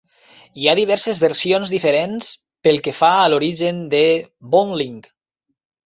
Hi ha diverses versions diferents pel que fa a l'origen de Boontling.